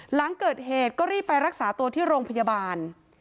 หลังเกิดเหตุก็รีบไปรักษาตัวที่โรงพยาบาล